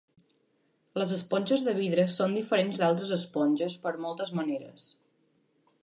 Les esponges de vidre són diferents d'altres esponges per moltes maneres.